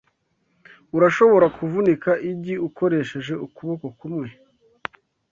Urashobora kuvunika igi ukoresheje ukuboko kumwe?